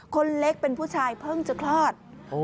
คนเล็กเป็นผู้ชายเพิ่งจะคลอด